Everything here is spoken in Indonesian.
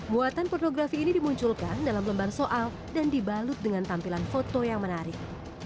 muatan pornografi ini dimunculkan dalam lembar soal dan dibalut dengan tampilan foto yang menarik